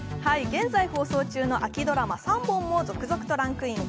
現在放送中の秋ドラマ３本も続々とランクイン。